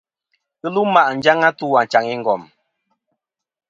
Ghɨ lum ma' njaŋ a tu achaŋ i ngom.